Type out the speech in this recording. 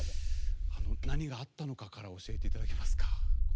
何があったのかから教えていただけますか？